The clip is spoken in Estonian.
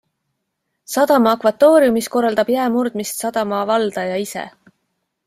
Sadama akvatooriumis korraldab jää murdmist sadama valdaja ise.